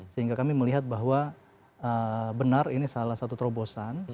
sehingga kami melihat bahwa benar ini salah satu terobosan